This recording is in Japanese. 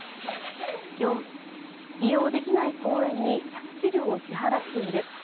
４、利用できない公園に借地料を支払っている。